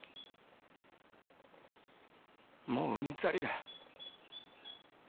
もううんざりだ。